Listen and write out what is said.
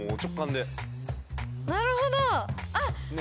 なるほど！